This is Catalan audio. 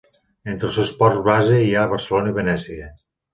Entre els seus ports base hi ha Barcelona i Venècia.